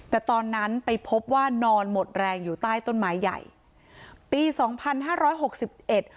แต่ตอนนั้นไปพบว่านอนหมดแรงอยู่ใต้ต้นไม้ใหญ่ปีสองพันห้าร้อยหกสิบเอ็ด